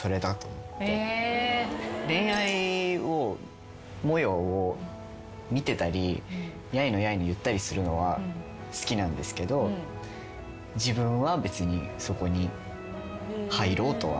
恋愛模様を見てたりやいのやいの言ったりするのは好きなんですけど自分は別にそこに。